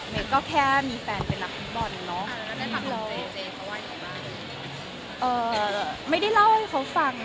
ก็แค่มีแฟนเป็นนักฟุตบอลเนาะไม่ได้เล่าให้เขาฟัง